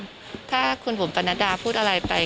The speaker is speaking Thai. พี่น้องบุหร์บรรณดาพูดอะไรไป